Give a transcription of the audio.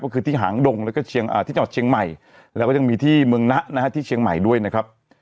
ก็คือที่หางดงแล้วก็ที่จังหวัดเชียงใหม่แล้วก็ยังมีที่เมืองนะนะฮะที่เชียงใหม่ด้วยนะครับ